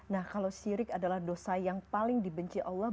nah kalau syirik adalah dosa yang paling dibenci allah